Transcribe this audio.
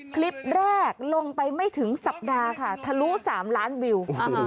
คลิปแรกลงไปไม่ถึงสัปดาห์ค่ะทะลุ๓ล้านวิว